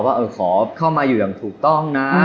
ว่าเออขอเข้ามาอยู่อย่างถูกต้องนะ